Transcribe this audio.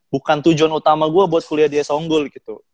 bukan tujuan utama gue buat kuliah di somgul gitu